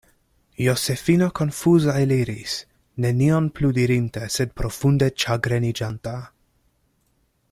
Josefino konfuza eliris, nenion plu dirinte, sed profunde ĉagreniĝanta.